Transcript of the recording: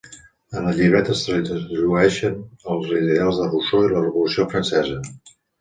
En el llibret es trasllueixen els ideals de Rousseau i la Revolució Francesa.